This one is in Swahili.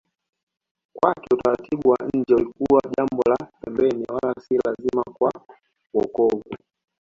Kwake utaratibu wa nje ulikuwa jambo la pembeni wala si lazima kwa wokovu